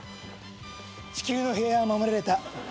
地球の平和は守られた。